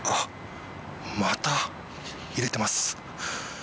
また入れてます。